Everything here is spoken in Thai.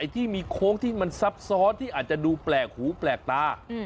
ที่มีโค้งที่มันซับซ้อนที่อาจจะดูแปลกหูแปลกตา